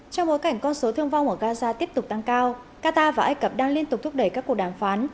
trong bối cảnh con số thương vong ở gaza tiếp tục tăng cao qatar và ai cập đang liên tục thúc đẩy các cuộc đàm phán